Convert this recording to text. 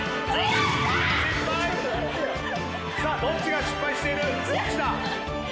どっちが失敗している⁉どっちだ